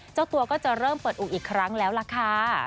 เจ้าตัวก็จะเริ่มเปิดอู่อีกครั้งแล้วล่ะค่ะ